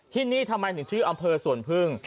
ที่นี่ทำไมถึงชื่ออำเภอสวนพึ่ง